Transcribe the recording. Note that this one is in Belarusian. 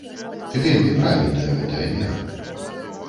Вельмі правільная гэтая мера.